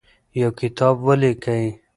یو کتاب ولیکئ.